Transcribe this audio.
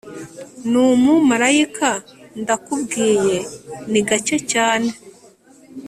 ni umumarayika ndakubwiye, ni gake cyane